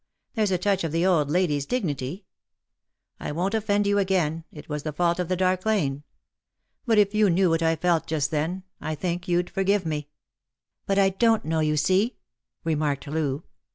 There's a touch of the old lady's dignity. I won't offend you again ; it was the fault of the dark lane. But if you knew what I felt just then, I think you'd forgive me." " But I don't know, you see," remarked Loo.